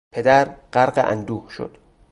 پدر غرق اندوه شد.